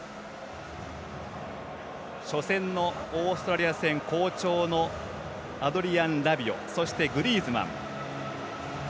初戦のオーストラリア戦好調のアドリアン・ラビオそしてグリーズマン。